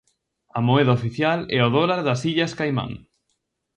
A moeda oficial é o dólar das Illas Caimán.